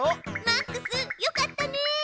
マックスよかったね！